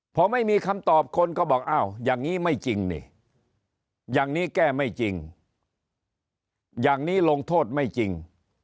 พอไม่มีคำตอบคนก็บอกอ้าวอย่างนี้ไม่จริงนี่อย่างนี้แก้ไม่จริงอย่างนี้ลงโทษไม่จริง